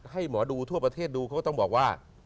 ให้หมอดูทั่วประเทศดูเขาก็ต้องบอกว่า